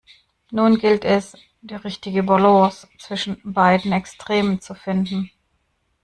Nun gilt es, die richtige Balance zwischen beiden Extremen zu finden.